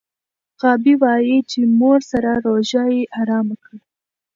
غابي وايي چې مور سره روژه یې ارام کړ.